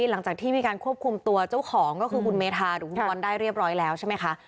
หลังจากที่มีการควบคุมตัวเจ้าของก็คือคุณเมธาหรือคุณบอลได้เรียบร้อยแล้วใช่ไหมคะ